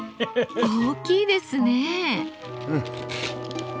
大きいですね。